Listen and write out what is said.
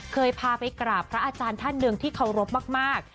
เคยพากลับพระอาจารย์ท่านเดิมที่เค้ารพมาก